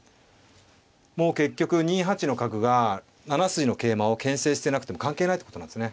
もう結局２八の角が７筋の桂馬をけん制してなくても関係ないってことなんですね。